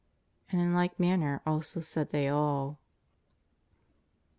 '' And in like manner also said they all."